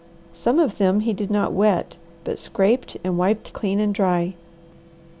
Some of them he did not wet, but scraped and wiped clean and dry.